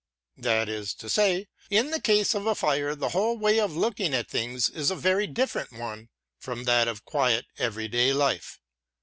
That is to say, in the case of a fire the whole way of looking at things is a very different one from that of quiet every day life.